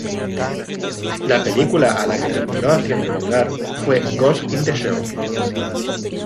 La película a la que terminó haciendo lugar fue "Ghost in the Shell".